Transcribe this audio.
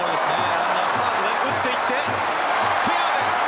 ランナースタートで打っていってフェアです。